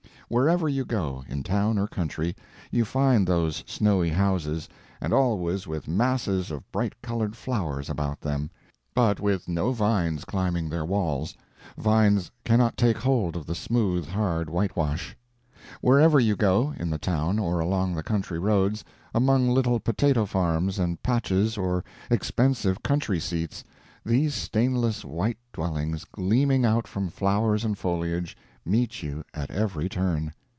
Wherever you go, in town or country, you find those snowy houses, and always with masses of bright colored flowers about them, but with no vines climbing their walls; vines cannot take hold of the smooth, hard whitewash. Wherever you go, in the town or along the country roads, among little potato farms and patches or expensive country seats, these stainless white dwellings, gleaming out from flowers and foliage, meet you at every turn.